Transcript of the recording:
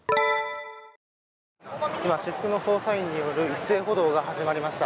今、私服の捜査員による一斉補導が始まりました。